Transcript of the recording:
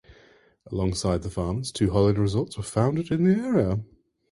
Alongside the farmers, two holiday resorts were founded in the area.